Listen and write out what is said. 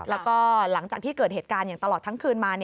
แล้วก็หลังจากที่เกิดเหตุการณ์อย่างตลอดทั้งคืนมา